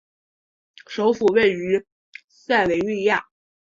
首府位于塞维利亚。